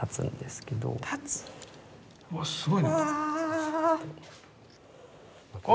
すごいな。